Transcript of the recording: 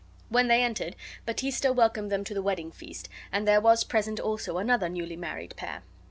When they entered, Baptista welcomed them to the wedding feast, and there was present also another newly married pair.